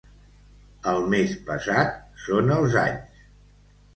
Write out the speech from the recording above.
El més pesat són els anys.